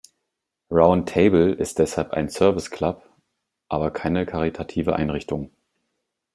Round Table ist deshalb ein Service Club, aber keine karitative Einrichtung.